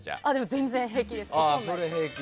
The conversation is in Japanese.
全然、平気ですね。